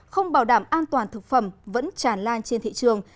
không bảo đảm an toàn thực phẩm vẫn tràn lan trên thị trường